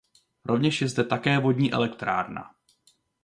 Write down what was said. Rovněž je zde také vodní elektrárna.